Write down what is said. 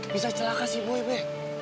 bisa celaka sih boy be